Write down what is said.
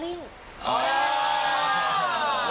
โยนทิ้งโยนทิ้งตลอด